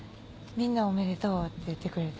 みんなおめでとうって言ってくれてる。